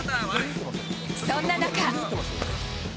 そんな中。